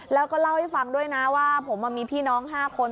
แล้วก็เล่าให้ฟังด้วยนะว่าผมมีพี่น้อง๕คน